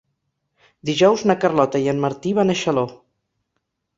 Dijous na Carlota i en Martí van a Xaló.